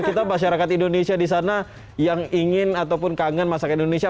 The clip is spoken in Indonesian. kita masyarakat indonesia di sana yang ingin ataupun kangen masakan indonesia